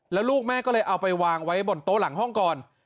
แล้วลูกแม่ก็เลยเอาไปวางไว้บนโต๊ะหลังห้องก่อน